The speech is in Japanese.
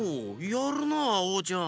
やるなオーちゃん！